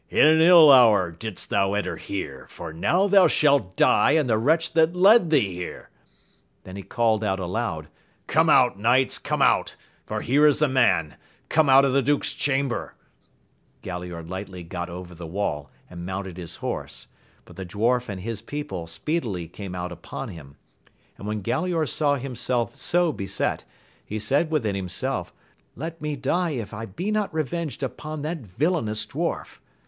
In an ill hour didst thou enter here, for now thou shalt die and the wretch that led thee here! Then he called out aloud, come out, knights, come out, for here is a man Come out of the duke's chamber ! Galaor lightly got over the wall, and mounted his horse, but the dwarf and his people speedily came out upon him ; and when Galaor saw himself so beset, he said within himself, let me die if I be not revenged upon that villainous dwarf